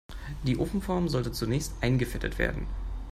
Die Ofenform sollte zunächst eingefettet werden.